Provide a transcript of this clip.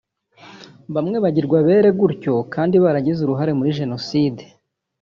bamwe bagirwa abere gutyo kandi baragize uruhare muri Jenoside”